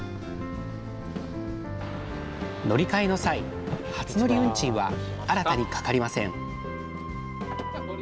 乗り換えの際、初乗り運賃は新たにかかりません。